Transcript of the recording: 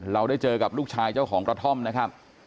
เราได้เจอกับลูกชายเจ้าของกระท่อมนะครับ